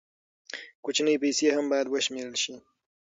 کوچنۍ پیسې هم باید وشمېرل شي.